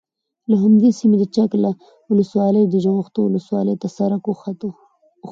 له همدې سیمې د چک له ولسوالۍ د جغتو ولسوالۍ ته سرک اوښتی،